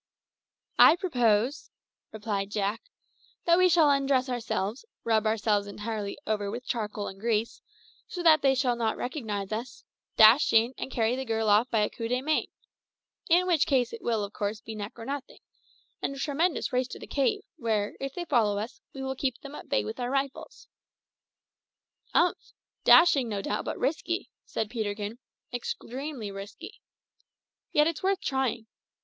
"I propose," replied Jack, "that we shall undress ourselves, rub ourselves entirely over with charcoal and grease, so that they shall not recognise us, and dash in and carry the girl off by a coup de main. In which case it will, of course, be neck or nothing, and a tremendous race to the cave, where, if they follow us, we will keep them at bay with our rifles." "Umph! dashing, no doubt, but risky," said Peterkin "extremely risky. Yet it's worth trying.